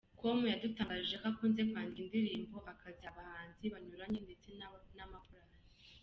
com yadutangarije ko akunze kwandika indirimbo akaziha abahanzi banyuranye ndetse n'amakorali.